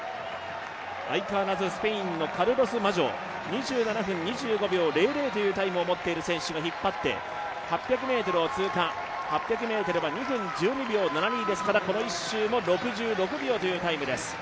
相変わらずスペインのカルロス・マジョ、２７分２５秒００というタイムを持っている選手が引っ張って、８００ｍを通過、２分１２秒７２ですからこの１周も６６秒というタイムです。